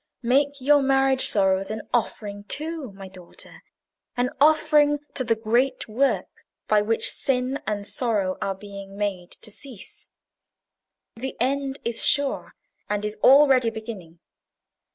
"Make your marriage sorrows an offering too, my daughter: an offering to the great work by which sin and sorrow are being made to cease. The end is sure, and is already beginning.